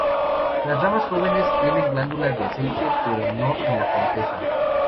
Las ramas jóvenes tienen glándulas de aceite, pero no en la corteza.